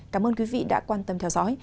cảm ơn quý vị đã quan tâm theo dõi